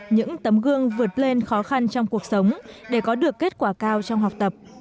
những tấm gương vượt lên khó khăn trong cuộc sống để có được kết quả cao trong học tập